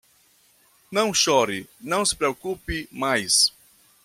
Não chore, não se preocupe mais.